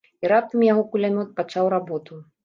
І раптам яго кулямёт пачаў работу.